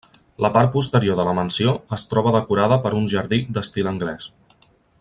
La part posterior de la mansió es troba decorada per un jardí d'estil anglès.